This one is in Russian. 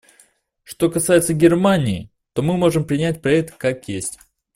Что касается Германии, то мы можем принять проект как есть.